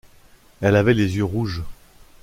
Elle avait les yeux rouges.